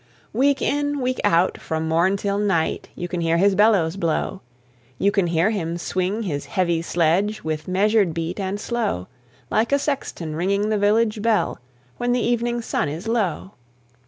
Week in, week out, from morn till night, You can hear his bellows blow; You can hear him swing his heavy sledge, With measured beat and slow, Like a sexton ringing the village bell, When the evening sun is low.